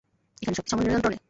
এখানে সবকিছু আমাদের নিয়ন্ত্রণে!